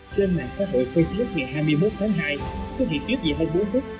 trên mạng xã hội facebook ngày hai mươi một tháng hai xuất hiện clip dài hơn bốn phút